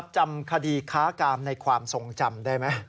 จำคดีค้ากามในความทรงจำได้ไหม